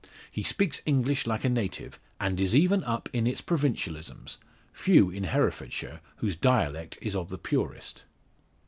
He speaks English like a native, and is even up in its provincialisms; few in Herefordshire whose dialect is of the purest.